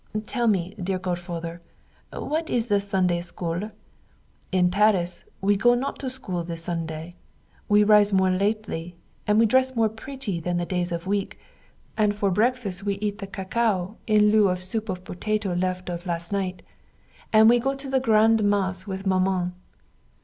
Tell me dear godfather, what is it the Sunday school? In Paris we go not to school the Sunday. We rise more lately, and we dress more pretty than the days of week, and for breakfast we eat the cacao in lieu of soup of potato left of last night. And we go to the grand mass with Maman.